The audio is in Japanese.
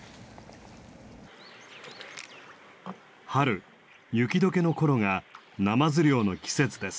春雪解けの頃がナマズ漁の季節です。